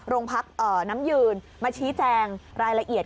โรงพักน้ำยืนมาชี้แจงรายละเอียด